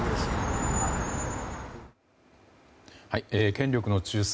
権力の中枢